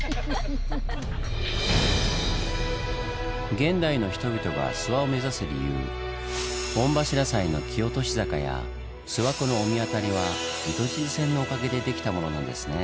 現代の人々が諏訪を目指す理由御柱祭の木落し坂や諏訪湖の御神渡りは糸静線のおかげでできたものなんですねぇ。